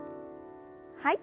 はい。